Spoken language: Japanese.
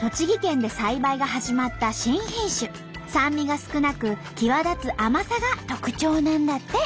酸味が少なく際立つ甘さが特徴なんだって！